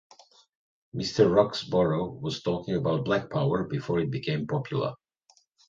Mister Roxborough was talking about Black Power before it became popular.